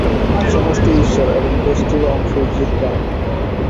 সমষ্টিই ঈশ্বর এবং ব্যষ্টি বা অংশই জীব বা আত্মা।